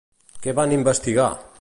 Què van a investigar?